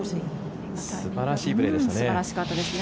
素晴らしいプレーでしたね。